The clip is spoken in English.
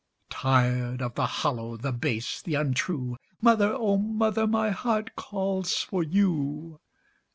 Tired of the hollow, the base, the untrue, Mother, O mother, my heart calls for you!